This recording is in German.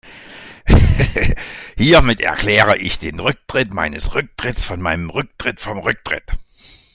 Hiermit erkläre ich den Rücktritt meines Rücktritts von meinem Rücktritt vom Rücktritt.